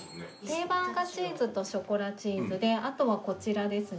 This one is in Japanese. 定番がチーズとショコラチーズであとはこちらですね。